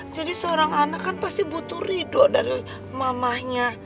jadi seorang anak kan pasti butuh ridho dari mamanya